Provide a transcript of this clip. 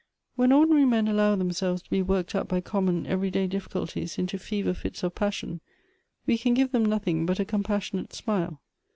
When ordinary men allow themselves to be worked up by common every day difficulties into fever fits of passion, we can give them nothing but a compassionate smile.